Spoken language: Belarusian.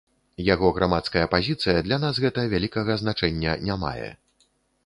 Яго грамадская пазіцыя для нас гэта вялікага значэння не мае.